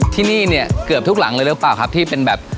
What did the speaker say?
ที่นี่เนี่ยเกือบทุกหลังเลยหรือเปล่าครับที่เป็นแบบ